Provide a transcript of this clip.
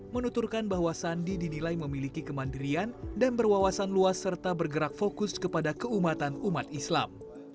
menuturkan bahwa sandi dinilai memiliki kemandirian dan berwawasan luas serta bergerak fokus kepada keumatan umat islam